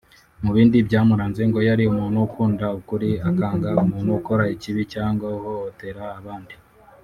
Mu bindi byamuranze ngo yari umuntu ukunda ukuri akanga umuntu ukora ikibi cyangwa uhohotera abandi